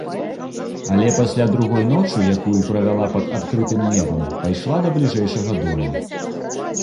Але пасля другой ночы, якую правяла пад адкрытым небам, пайшла да бліжэйшага дома.